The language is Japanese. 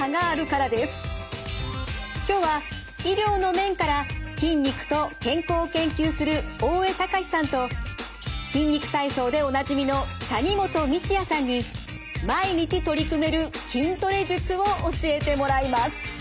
今日は医療の面から筋肉と健康を研究する大江隆史さんと「筋肉体操」でおなじみの谷本道哉さんに毎日取り組める筋トレ術を教えてもらいます。